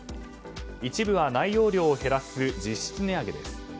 一部は内容量を減らす実質値上げです。